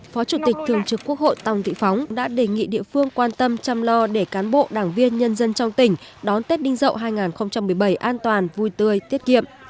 phó chủ tịch thường trực quốc hội tòng thị phóng đã đề nghị địa phương quan tâm chăm lo để cán bộ đảng viên nhân dân trong tỉnh đón tết đinh dậu hai nghìn một mươi bảy an toàn vui tươi tiết kiệm